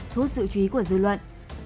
thu hút sự chú ý của dư luận